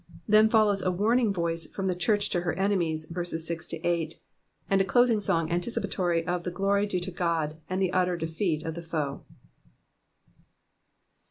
Then follows a warning voice from the church to her enemies, verses 6—8, and a closing song anticipittory of Uie glory due to God and the utter drfeat of the foe.